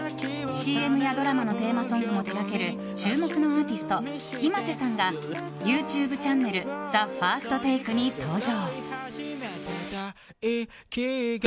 ＣＭやドラマのテーマソングも手掛ける注目のアーティストｉｍａｓｅさんがＹｏｕＴｕｂｅチャンネル「ＴＨＥＦＩＲＳＴＴＡＫＥ」に登場。